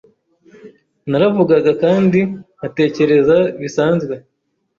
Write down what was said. Naravugaga kandi nkatekereza bisanzwe.